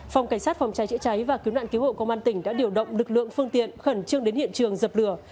phòng cảnh sát phòng cháy chữa cháy và cứu nạn cứu hộ công an tỉnh đã điều động lực lượng phương tiện khẩn trương đến hiện trường dập lửa